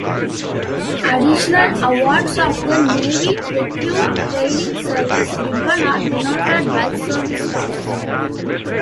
Additional awards of the Navy Recruit Training Service Ribbon are denoted by service stars.